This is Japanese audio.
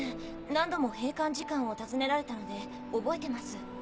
何度も閉館時間を尋ねられたので覚えてます。